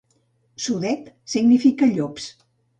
Sudet significa llops.